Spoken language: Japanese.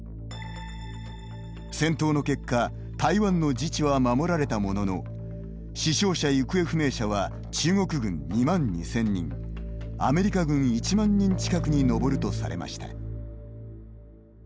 戦闘の結果台湾の自治は守られたものの死傷者・行方不明者は中国軍２万２０００人アメリカ軍１万人近くに上るとされました。